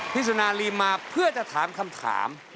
สุนารีมมาเพื่อจะถามคำถาม